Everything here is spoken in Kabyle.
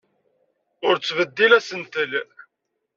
Ur ttbeddil asentel.